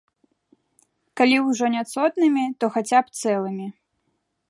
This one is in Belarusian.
І калі ўжо няцотнымі, то хаця б цэлымі.